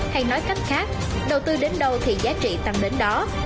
hay nói cách khác đầu tư đến đâu thì giá trị tăng đến đó